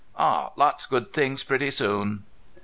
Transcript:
"Aw, lots good things pretty soon!"